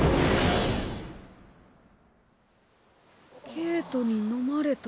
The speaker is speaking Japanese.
ゲートにのまれた？